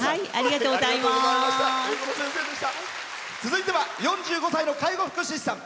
続いては４５歳の介護福祉士さん。